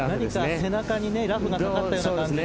背中にラフがかかったような感じの。